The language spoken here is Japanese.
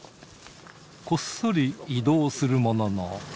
こっそり移動するものの。